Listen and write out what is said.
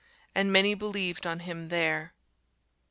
And many believed on him there.